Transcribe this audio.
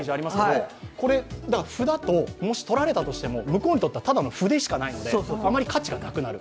歩だともし取られたとしても、向こうにとってはただの歩でしかないので、価値がなくなる。